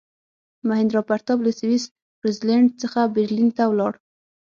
میهندراپراتاپ له سویس زرلینډ څخه برلین ته ولاړ.